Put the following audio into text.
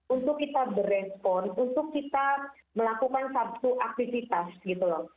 untuk kita berespon untuk kita melakukan satu aktivitas gitu loh